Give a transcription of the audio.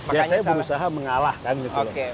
ya saya berusaha mengalahkan gitu loh